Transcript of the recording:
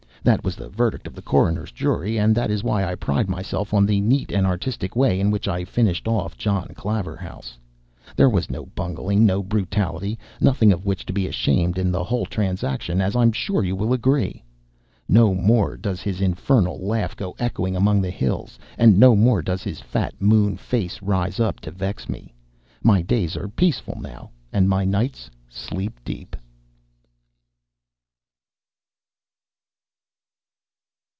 That was the verdict of the coroner's jury; and that is why I pride myself on the neat and artistic way in which I finished off John Claverhouse. There was no bungling, no brutality; nothing of which to be ashamed in the whole transaction, as I am sure you will agree. No more does his infernal laugh go echoing among the hills, and no more does his fat moon face rise up to vex me. My days are peaceful now, and my night's sleep deep.